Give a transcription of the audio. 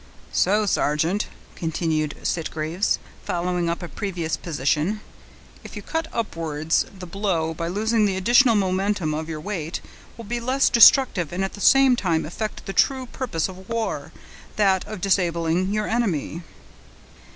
"So, sergeant," continued Sitgreaves, following up a previous position, "if you cut upwards, the blow, by losing the additional momentum of your weight, will be less destructive, and at the same time effect the true purpose of war, that of disabling your enemy."